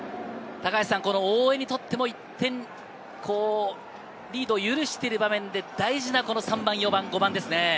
大江にとっても、１点リードを許している場面で大事な３番、４番、５番ですね。